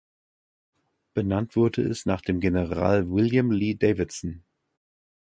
Benannt wurde es nach dem General William Lee Davidson.